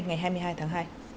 ngày hai mươi hai tháng hai